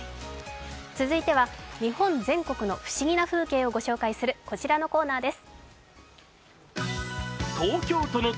続いては日本全国の不思議な風景をご紹介するこちらのコーナーです。